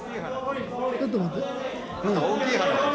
ちょっと待って。